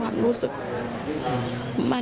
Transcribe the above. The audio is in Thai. นายพิรายุนั่งอยู่ติดกันแบบนี้นะคะ